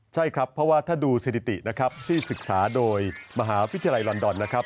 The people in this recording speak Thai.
ใช่ครับเพราะว่าถ้าดูสถิตินะครับที่ศึกษาโดยมหาวิทยาลัยลอนดอนนะครับ